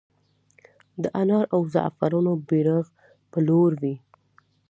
د انار او زعفرانو بیرغ به لوړ وي؟